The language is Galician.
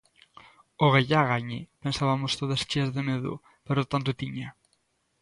"Ogallá gañe", pensabamos todas cheas de medo; pero tanto tiña.